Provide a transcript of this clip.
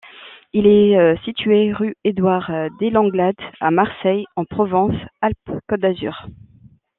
Il est situé rue Édouard Delanglade, à Marseille, en Provence-Alpes-Côte d'Azur.